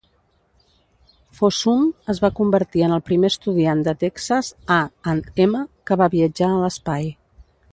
Fossum es va convertir en el primer estudiant de Texas A and M que va viatjar a l'espai.